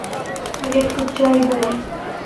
تے اُس کو چاہی دا اے۔